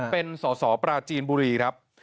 เป็นสอสอปราจีนบุรีครับ